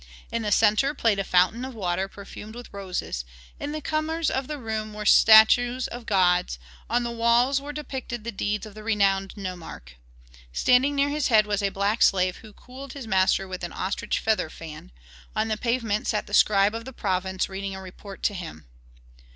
In the centre played a fountain of water perfumed with roses; in the corners of the room were statues of gods; on the walls were depicted the deeds of the renowned nomarch. Standing near his head was a black slave who cooled his master with an ostrich feather fan; on the pavement sat the scribe of the province reading a report to him.